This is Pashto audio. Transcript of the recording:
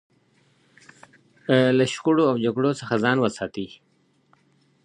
له شخړو او جګړو څخه ځان وساتئ.